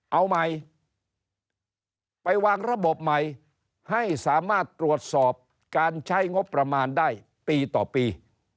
เอาใหม่ไปวางระบบใหม่ให้สามารถตรวจสอบการใช้งบประมาณได้ปีต่อปี